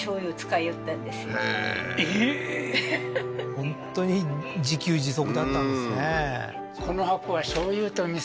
本当に自給自足だったんですね